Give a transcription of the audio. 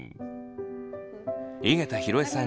井桁弘恵さん